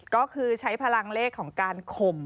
ก็คือใช้พลังเลขของการข่ม